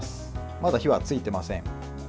まだ火はついていません。